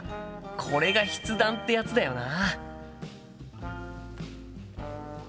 これが筆談ってやつだよな。